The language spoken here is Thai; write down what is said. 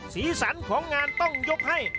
ศีรสรรค์ของงานต้องยกให้